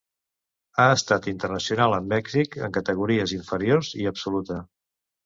Ha estat internacional amb Mèxic en categories inferiors, i absoluta.